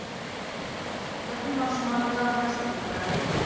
ټپي ماشومانو ته مرستې پکار دي.